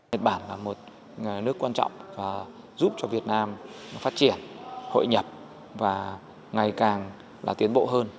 nhật bản là một nước quan trọng và giúp cho việt nam phát triển hội nhập và ngày càng tiến bộ hơn